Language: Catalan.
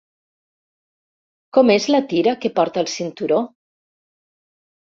Com és la tira que porta el cinturó?